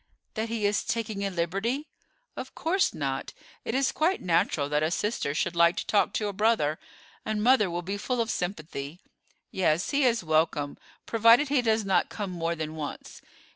"That he is taking a liberty?" "Of course not. It is quite natural that a sister should like to talk to a brother: and mother will be full of sympathy. Yes, he is welcome, provided he does not come more than once.